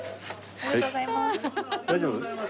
ありがとうございます。